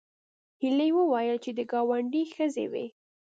هیلې وویل چې د ګاونډي ښځې وې